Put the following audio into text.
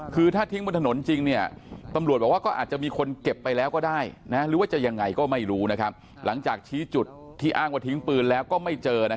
คือถ้าทิ้งบนถนนจริงตำรวจบอกว่าก็อาจจะมีคนเก็บไปแล้วก็ได้หรือว่าจะยังไงก็ไม่รู้หลังจากชี้จุดที่อ้างว่าทิ้งปืนแล้วก็ไม่เจอ